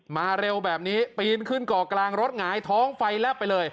เร็วแบบนี้ปีนขึ้นเกาะกลางรถหงายท้องไฟแลบไปเลย